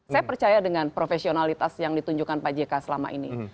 saya percaya dengan profesionalitas yang ditunjukkan pak jk selama ini